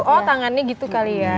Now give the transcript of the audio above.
oh tangannya gitu kali ya